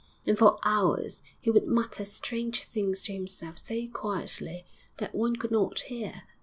And for hours he would mutter strange things to himself so quietly that one could not hear.